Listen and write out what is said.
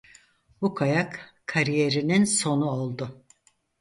Bu kayak kariyerinin sonu oldu.